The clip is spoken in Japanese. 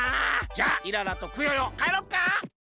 じゃあイララとクヨヨかえろっか！